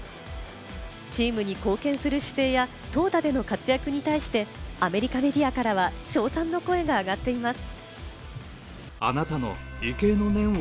チームに貢献する姿勢や投打での活躍に対して、アメリカメディアからは称賛の声が上がっています。